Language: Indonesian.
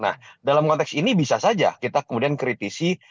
nah dalam konteks ini bisa saja kita kemudian kritisi